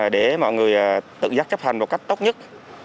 để mọi người tự giác chấp hành một cách tốt nhất